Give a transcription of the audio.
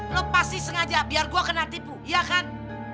lo pasti sengaja biar gue kena tipu iya kan